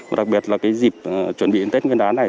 và đặc biệt là cái dịp chuẩn bị tết nguyên đán này